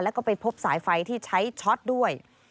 แล้วก็ไปพบสายไฟที่ใช้ช็อตด้วย